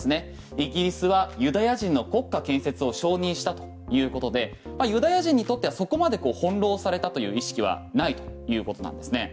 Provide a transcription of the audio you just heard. イギリスはユダヤ人の国家建設を承認したということでユダヤ人にとってはそこまで翻弄されたという意識はないということなんですね。